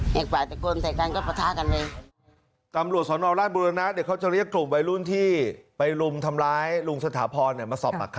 อยากปล่อยแต่กลมใส่กันก็ประทะกันเลย